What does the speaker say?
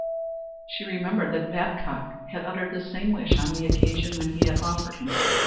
She remembered that Babcock had uttered the same wish on the occasion when he had offered himself.